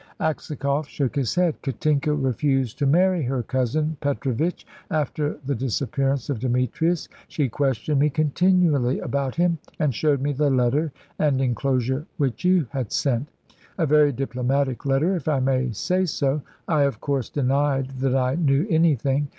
Aksakoff shook his head. "Katinka refused to marry her cousin Petrovitch, after the disappearance of Demetrius. She questioned me continually about him, and showed me the letter and enclosure which you had sent. A very diplomatic letter, if I may say so. I, of course, denied that I knew anything.